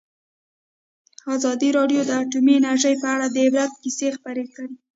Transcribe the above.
ازادي راډیو د اټومي انرژي په اړه د عبرت کیسې خبر کړي.